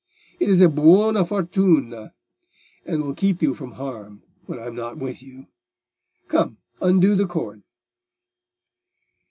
It is a 'buona fortuna,' and will keep you from harm when I am not with you. Come, undo the cord."